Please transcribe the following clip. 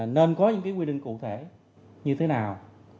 nên có những quy định cụ thể như thế nào